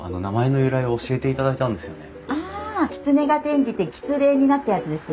「きつね」が転じて「きつれ」になったやつですね。